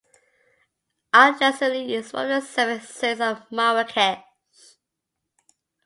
Al-Jazuli is one of the seven saints of Marrakesh.